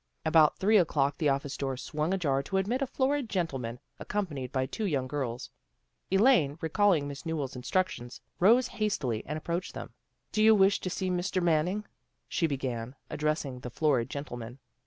About three o'clock the office door swung ajar to admit a florid gentleman, accompanied by two "young girls. Elaine, recalling Miss NewelFs instructions, rose hastily and approached them. " Did you wish to see Mr. Mannering? " she began, addressing the florid gentleman.